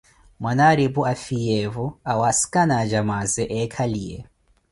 Mwanaripu afiiyevo awasikana acamaaze eekhaliye.